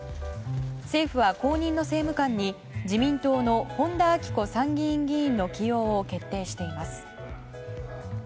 政府は後任の政務官に自民党の本田顕子参議院議員の起用を決定しています。